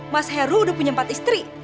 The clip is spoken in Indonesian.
mas heru udah punya empat istri